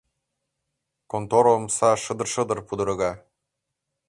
Контор омса шыдыр-шыдыр пудырга.